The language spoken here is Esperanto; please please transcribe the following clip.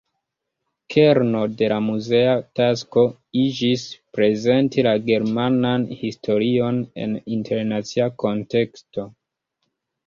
Kerno de la muzea tasko iĝis, "prezenti la germanan historion en internacia konteksto".